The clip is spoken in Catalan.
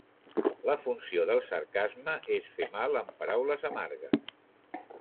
La funció del sarcasme és fer mal amb paraules amargues.